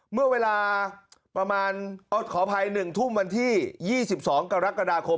เมื่อเวลาประมาณขออภัย๑ทุ่มวันที่๒๒กรกฎาคม